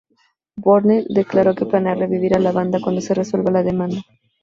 Burnley declaro que planea revivir a la banda cuando se resuelva la demanda.